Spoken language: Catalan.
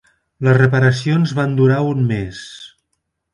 Les reparacions van durar un mes.